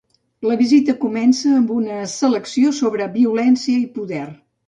La visita comença amb una selecció sobre ‘Violència i poder’.